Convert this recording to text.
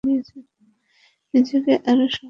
নিজেকে আরও শক্ত করা দরকার।